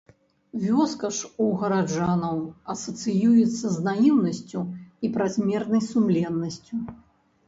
Вёска ж у гараджанаў асацыюецца з наіўнасцю і празмернай сумленнасцю.